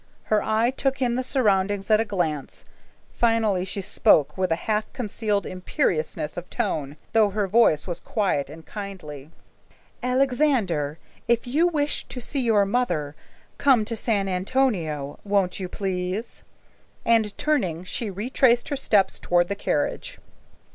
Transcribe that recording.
Her eye took in the surroundings at a glance. Finally she spoke with a half concealed imperiousness of tone, though her voice was quiet and kindly. "Alexander, if you wish to see your mother, come to San Antonio, won't you, please?" and turning, she retraced her steps toward the carriage.